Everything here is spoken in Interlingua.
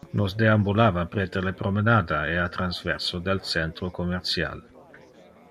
Nos deambulava preter le promenada e a transverso del centro commercial.